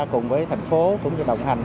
cùng với thành phố cũng như đồng hành